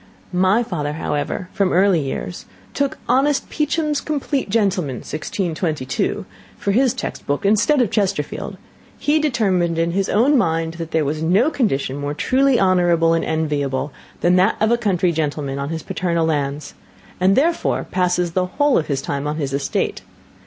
My father, however, from early years, took honest Peacham* for his textbook, instead of Chesterfield: he determined, in his own mind, that there was no condition more truly honourable and enviable than that of a country gentleman on his paternal lands, and, therefore, passes the whole of his time on his estate.